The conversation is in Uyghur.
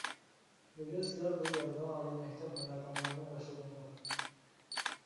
بۈگۈن سىلەر بۇ يەردە ئالىي مەكتەپ ھاياتىڭلارنى باشلىدىڭلار.